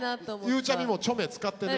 ゆうちゃみもチョメ使ってね。